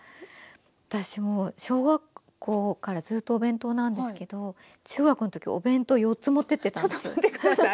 私もう小学校からずっとお弁当なんですけど中学の時お弁当４つ持ってってたんです。